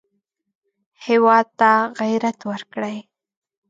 هېواد ته غیرت ورکړئ